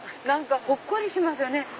何かほっこりしますよね。